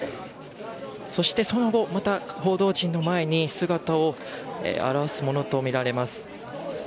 そしてその後、また報道陣の前に姿を現すものとみられます。